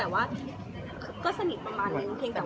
แต่ว่าก็สนิทประมาณเลย